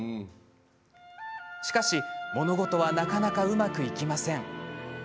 しかし、物事はなかなかうまくいきません。